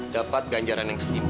dapat ganjaran yang setimpal